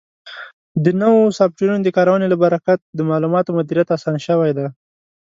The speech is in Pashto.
د نوو سافټویرونو د کارونې له برکت د معلوماتو مدیریت اسان شوی دی.